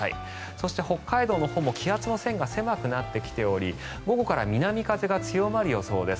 そして、北海道のほうも気圧の線が狭くなってきており午後から南風が強まる予想です。